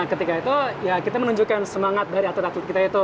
ketika itu kami menunjukkan semangat dari atlet atlet kami